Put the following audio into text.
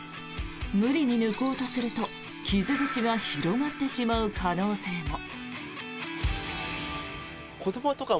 無理に抜こうとすると傷口が広がってしまう可能性も。